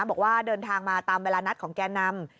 บอกว่าเดินทางมาตามเวลานัดของแก่นำ